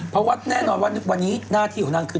เพราะว่าแน่นอนว่าวันนี้หน้าที่ของนางคือ